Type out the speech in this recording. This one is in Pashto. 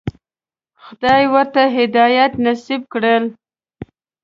خدای ورته هدایت نصیب کړی.